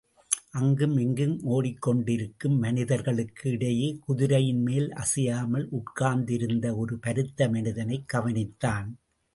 அங்கு மிங்கும் ஓடிக் கொண்டிருக்கும் மனிதர்களுக்கு இடையே குதிரையின்மேல் அசையாமல் உட்கார்ந்திருந்த ஒரு பருத்த மனிதனைக் கவனித்தான்.